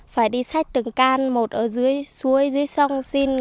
phải đi sách từng can một ở dưới suối dưới sông xin